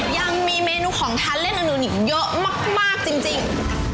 ยังมีเมนูของทานเล่นอนุนอีกเยอะมากจริง